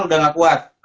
udah gak kuat